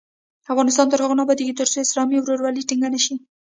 افغانستان تر هغو نه ابادیږي، ترڅو اسلامي ورورولي ټینګه نشي.